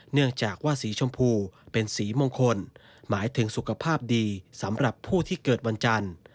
เนื่องจากว่าสีชมพูเป็นสีมงคลหมายถึงสุขภาพดีสำหรับผู้ที่เกิดวันจันทร์